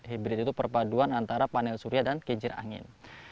hibrid itu perpaduan antara panel surya dan kincir angin